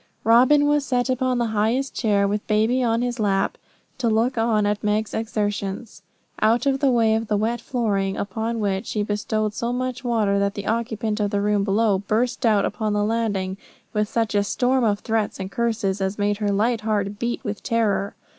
Robin was set upon the highest chair, with baby on his lap, to look on at Meg's exertions, out of the way of the wet flooring, upon which she bestowed so much water that the occupant of the room below burst out upon the landing, with such a storm of threats and curses as made her light heart beat with terror.